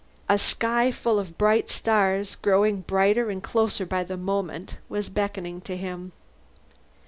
A sky full of bright stars, growing brighter and closer by the moment, was beckoning to him.